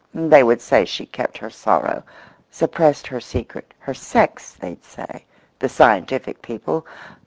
… They would say she kept her sorrow, suppressed her secret—her sex, they'd say—the scientific people.